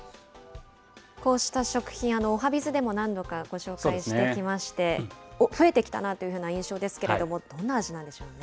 こうした食品、おはＢｉｚでも何度かご紹介してきまして、増えてきたなというふうな印象ですけど、どんな味なんでしょうね。